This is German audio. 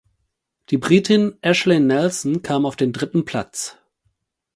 Die Britin Ashleigh Nelson kam auf den dritten Platz.